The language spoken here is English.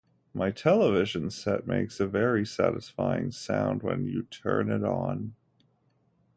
My television set makes a very satisfying sound when you turn it on.